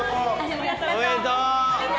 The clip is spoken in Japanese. ありがとうございます。